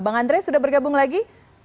bang andre sudah bergabung lagi